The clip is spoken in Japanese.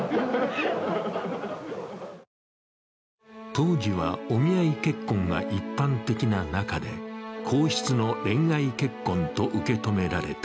当時はお見合い結婚が一般的な中で皇室の恋愛結婚と受け止められた。